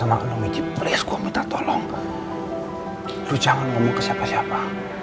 mereka sendiri ke keluarga dia